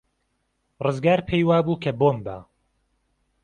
ڕزگار پێی وابوو کە بۆمبە.